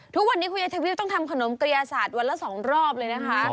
ทุกวันนี้คุณยายทวิตต้องทำขนมกระยาศาสตร์วันละ๒รอบเลยนะคะ